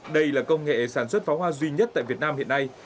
đây là công nghệ sản xuất pháo hoa duy nhất tại việt nam hiện nay